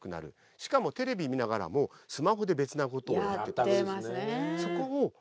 しかもテレビ見ながらもスマホで別なことをやってたりする。